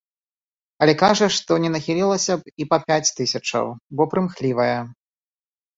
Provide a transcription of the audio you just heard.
Але кажа, што не нахілілася б і па пяць тысячаў, бо прымхлівая.